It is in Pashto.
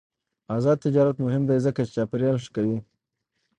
آزاد تجارت مهم دی ځکه چې چاپیریال ښه کوي.